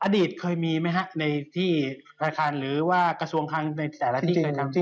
อดีตเคยมีไหมครับในที่ราคาหรือกระทรวงคลังในแต่ละที่